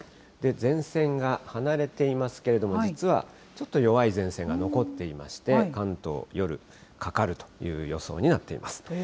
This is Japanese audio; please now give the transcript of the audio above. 前線が離れていますけれども、実はちょっと弱い前線が残っていまして、関東、夜かかるという予想になっています。